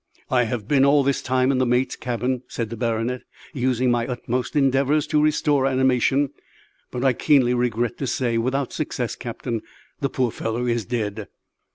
"I have been all this time in the mate's cabin," said the baronet, "using my utmost endeavours to restore animation, but, I keenly regret to say, without success. Captain, the poor fellow is dead!"